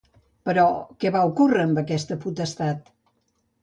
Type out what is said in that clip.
Però, què va ocórrer amb aquesta potestat?